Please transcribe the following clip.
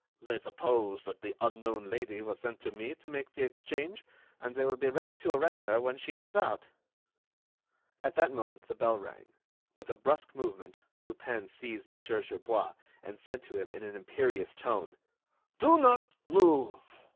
They suppose that the unknown lady was sent by me to make the exchange, and they will be ready to arrest her when she goes out—" At that moment, the bell rang. With a brusque movement, Lupin seized Mon. Gerbois, and said to him, in an imperious tone: "Do not move!